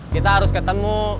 kita harus ketemu